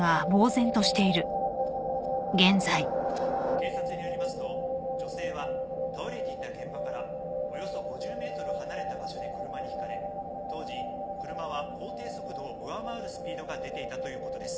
警察によりますと女性は倒れていた現場からおよそ５０ｍ離れた場所で車にひかれ当時車は法定速度を上回るスピードが出ていたということです。